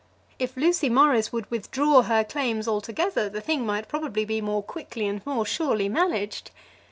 If Lucy Morris would withdraw her claims altogether the thing might probably be more quickly and more surely managed.